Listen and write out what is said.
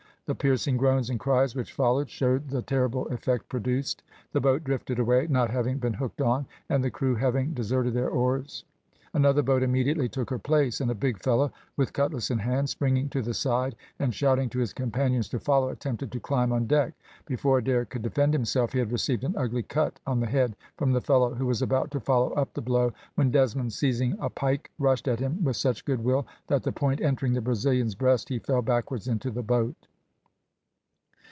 The piercing groans and cries which followed showed the terrible effect produced. The boat drifted away, not having been hooked on, and the crew having deserted their oars. Another boat immediately took her place, and a big fellow, with cutlass in hand, springing to the side, and shouting to his companions to follow, attempted to climb on deck. Before Adair could defend himself, he had received an ugly cut on the head from the fellow, who was about to follow up the blow, when Desmond, seizing a pike, rushed at him with such good will, that the point entering the Brazilian's breast, he fell backwards into the boat.